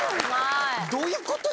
どういうことよ？